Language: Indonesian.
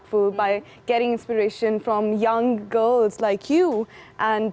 dengan mendapatkan inspirasi dari anak anak muda seperti anda